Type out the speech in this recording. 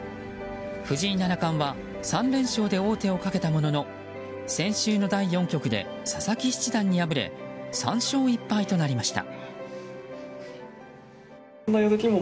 藤井七冠は３連勝で王手をかけたものの先週の第４局で佐々木七段に敗れ３勝１敗となりました。